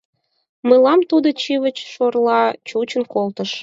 Мылам тудо чыве шӧрла чучын колтыш...